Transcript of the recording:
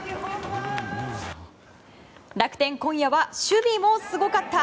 楽天、今夜は守備もすごかった。